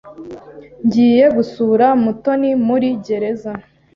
Ngiye gusura Mutoni muri gereza.